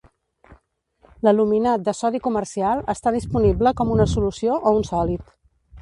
L'aluminat de sodi comercial està disponible com una solució o un sòlid.